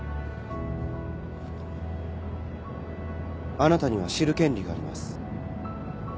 あなたには知る権利があります。